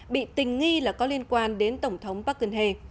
bị tình nghi là có liên quan đến tổng thống park geun hye